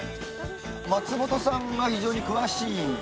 松本さんが非常に詳しい。